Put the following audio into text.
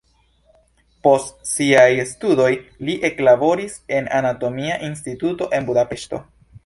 Post siaj studoj li eklaboris en anatomia instituto en Budapeŝto.